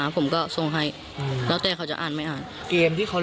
แต่ก็เหมือนกับว่าจะไปดูของเพื่อนแล้วก็ค่อยทำส่งครูลักษณะประมาณนี้นะคะ